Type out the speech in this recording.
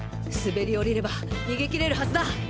滑り降りれば逃げ切れるはずだ！